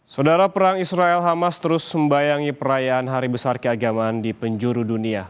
saudara perang israel hamas terus membayangi perayaan hari besar keagamaan di penjuru dunia